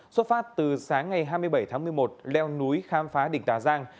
xuất phát từ sáng ngày hai mươi bảy tháng một mươi một leo núi khám phá đỉnh tà giang